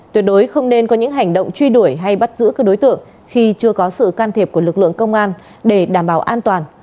tuyệt đối không nên có những hành động truy đuổi hay bắt giữ các đối tượng khi chưa có sự can thiệp của lực lượng công an để đảm bảo an toàn